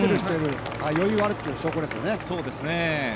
余裕があるという証拠ですね。